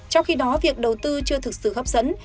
trong khi đó việc đầu tư chưa thực sự hấp dẫn